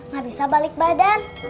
gak bisa balik badan